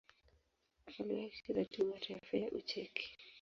Aliwahi kucheza timu ya taifa ya Ucheki.